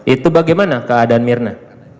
itu bagaimana keadaan mirna